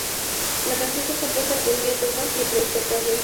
La canción fue compuesta por Lynda Thomas y el productor Carlos Lara.